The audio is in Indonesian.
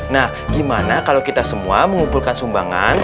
nah gimana kalau kita semua mengumpulkan sumbangan